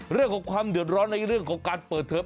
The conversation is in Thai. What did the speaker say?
เรื่องของความเดือดร้อนในเรื่องของการเปิดเทอม